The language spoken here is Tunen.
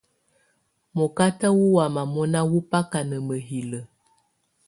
Mɔkata wɔ́ mɔna wɔ́ baka na mǝ́hilǝ́.